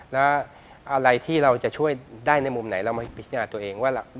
แล้วอะไรที่เราจะช่วยได้ในมุมไหนเรามาพิจารณาตัวเองว่า